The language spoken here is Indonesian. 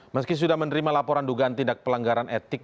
meski sudah menerima laporan dugaan tindak pelanggaran etik